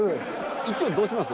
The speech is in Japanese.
一応どうします？